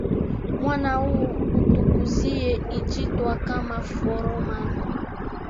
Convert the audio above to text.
Mwana huu utukuziye ijitwa kama foroman